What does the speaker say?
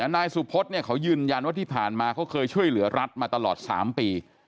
นายสุพธเขายืนยันว่าที่ผ่านมาเขาเคยช่วยเหลือรัฐมาตลอด๓ปี